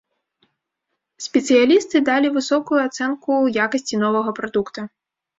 Спецыялісты далі высокую ацэнку якасці новага прадукта.